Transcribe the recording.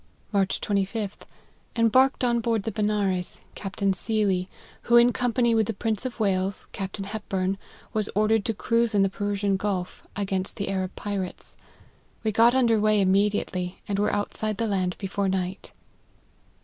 " March 25th. Embarked on board the Be LIFE OF HENRY MARTYN. 135 nares, Captain Sealy ; who, in company with the Prince of Wales, Captain Hepburn, was ordered to cruise in the Persian Gulf, against the Arab pirates. We got under way immediately, and were outside the land before night."